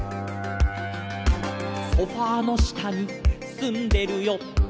「ソファの下にすんでるよ」